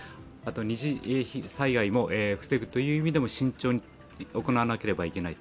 二次災害も防ぐ意味でも慎重に行わなければいけない。